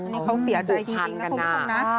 นี่เขาเสียใจจริงนะคุณผู้ชมนะ